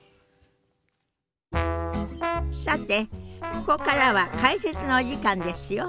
さてここからは解説のお時間ですよ。